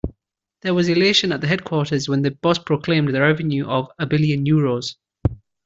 There was elation at the headquarters when the boss proclaimed the revenue of a billion euros.